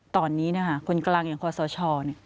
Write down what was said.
ตอนนี้คนกลางอย่างความสะชอส์